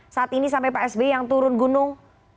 saat ini sampai pak sby yang turun gunung